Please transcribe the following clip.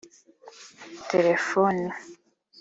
telefoni